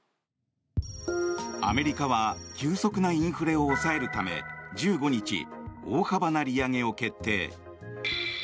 アメリカは急速なインフレを抑えるため１５日、大幅な利上げを決定。